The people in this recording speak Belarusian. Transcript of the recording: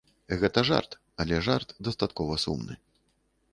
Гэта жарт, але жарт дастаткова сумны.